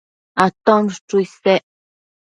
Aton chuchu isec